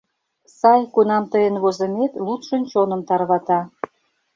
Сай, кунам тыйын возымет лудшын чоным тарвата.